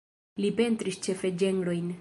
Li pentris ĉefe ĝenrojn.